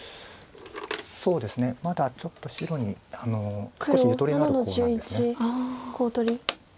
そうですねまだちょっと白に少しゆとりのあるコウなんです。